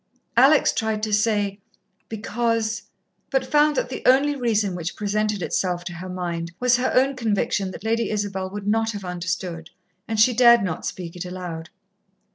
Alex tried to say, "Because " but found that the only reason which presented itself to her mind was her own conviction that Lady Isabel would not have understood, and she dared not speak it aloud.